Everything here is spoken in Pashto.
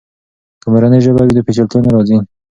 که مورنۍ ژبه وي، نو پیچلتیا نه راځي.